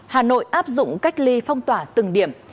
hà nội áp dụng cách ly phong tỏa từng điểm